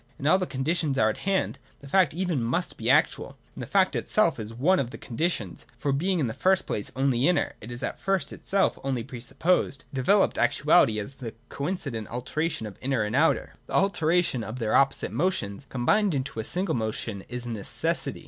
If all the conditions are at hand, the fact (event) must be actual ; and the fact itself is one of the conditions : for being in the first place only inner, it is at first itself only pre supposed. Developed actuality, as the coincident alternation of inner and outer, the alternation of their opposite motions combined into a single motion, is Necessity.